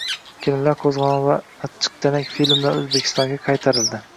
Kelinlar qo‘zg‘oloni va Achchiq danak filmlari O‘zbekistonga qaytarildi